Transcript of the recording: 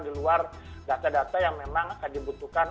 di luar data data yang memang dibutuhkan